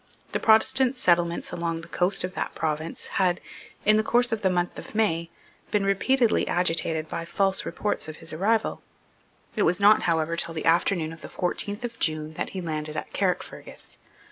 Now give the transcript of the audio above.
The Protestant settlements along the coast of that province had, in the course of the month of May, been repeatedly agitated by false reports of his arrival. It was not, however, till the afternoon of the fourteenth of June that he landed at Carrickfergus.